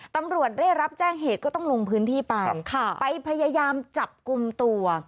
ตำรวจได้รับแจ้งเหตุก็ต้องลงพื้นที่ไปค่ะไปพยายามจับกลุ่มตัว